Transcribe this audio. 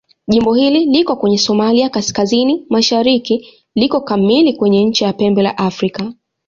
Jimbo hili liko kwenye Somalia kaskazini-mashariki liko kamili kwenye ncha ya Pembe la Afrika.